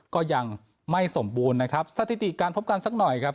ก็ยังไม่สมบูรณ์นะครับสถิติการพบกันสักหน่อยครับ